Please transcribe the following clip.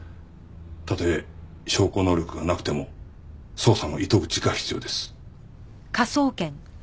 たとえ証拠能力がなくても捜査の糸口が必要です。